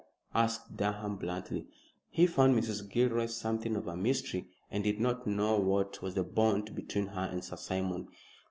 asked Durham, bluntly. He found Mrs. Gilroy something of a mystery, and did not know what was the bond between her and Sir Simon.